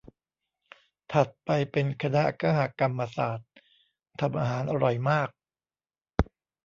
ถัดไปเป็นคณะคหกรรมศาสตร์ ทำอาหารอร่อยมาก